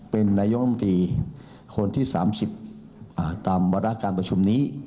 เป็นนายกรรมตรีคนที่๓๐ตามวาระการประชุมนี้